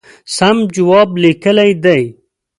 سم جواب لیکلی دی.